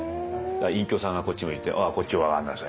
隠居さんがこっち向いて「ああこっちお上がんなさい」。